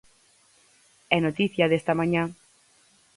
E noticia desta mañá.